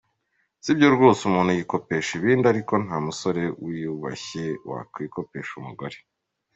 Si byo rwose umuntu yikopesha ibindi ariko nta musore wiyubashye wo kwikopesha umugore.